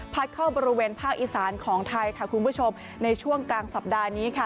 พัดเข้าบริเวณภาคอีสานของไทยในช่วงกลางสัปดาห์นี้